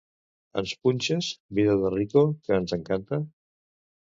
Ens punxes "Vida de rico", que ens encanta?